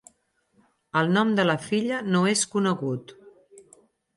El nom de la filla no és conegut.